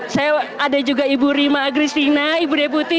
saya ada juga ibu rima agri sina ibu deputi